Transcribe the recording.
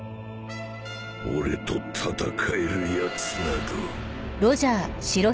俺と戦えるやつなど